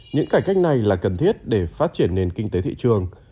những cải cách này là cần thiết để phát triển nền kinh tế thị trường